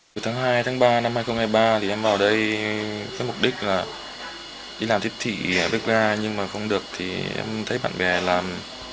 từ tháng hai đến tháng ba năm hai nghìn hai mươi ba thì em vào đây với mục đích là đi làm thiết thị bếp ra nhưng mà không được thì em thấy bạn bè làm